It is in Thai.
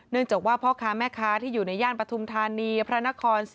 เนื่องจากว่าพ่อค้าแม่ค้าที่อยู่ในย่านประธุมธานีพระนคร